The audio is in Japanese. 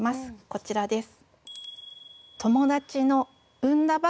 こちらです。